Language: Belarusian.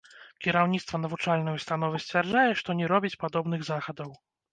Кіраўніцтва навучальнай установы сцвярджае, што не робіць падобных захадаў.